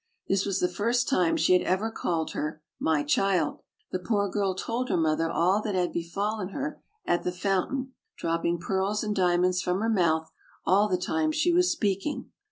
This was the first time she had ever called her "My child." The poor girl told her mother all that had be fallen her at the fountain, dropping pearls and diamonds from her mouth all the time she was speaking.